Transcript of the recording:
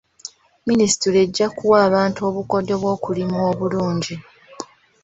Minisitule ejja kuwa abantu obukodyo bw'okulima obulungi.